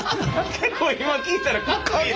結構今聴いたらかっこいい。